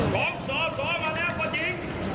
ของสาวมาเนี่ยพอดี